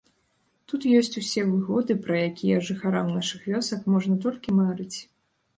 Тут ёсць усе выгоды, пра якія жыхарам нашых вёсак можна толькі марыць.